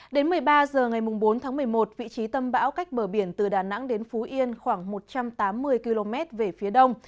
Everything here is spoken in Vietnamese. đến một mươi ba h ngày bốn tháng một mươi một vị trí tâm bão cách bờ biển từ đà nẵng đến phú yên khoảng một trăm tám mươi km về phía đông